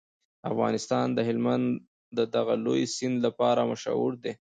افغانستان د هلمند د دغه لوی سیند لپاره مشهور دی.